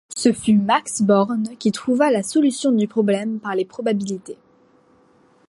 Ce fut Max Born qui trouva la solution du problème par les probabilités.